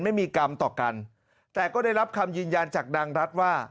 ไม่มีกรรมต่อกันแต่ก็ได้รับคำยืนยันจากดังรัฐว่า